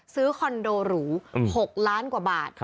คอนโดหรู๖ล้านกว่าบาท